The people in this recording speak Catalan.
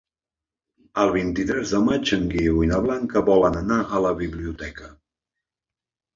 El vint-i-tres de maig en Guiu i na Blanca volen anar a la biblioteca.